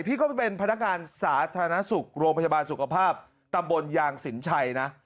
พี่ก็เป็นพนักงานสาธารณสุขโรงพยาบาลสุขภาพตำบลยางสินชัยนะ